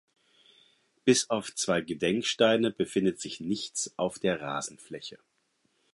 Bis auf zwei Gedenksteine befindet sich nichts auf der Rasenfläche.